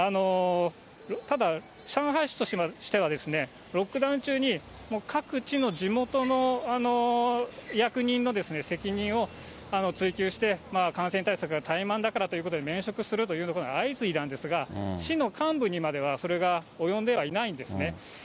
ただ、上海市としては、ロックダウン中に、各地の地元の役人の責任を追及して、感染対策が怠慢だからということで、免職するということが相次いだんですが、市の幹部にまでは、それが及んではいないんですね。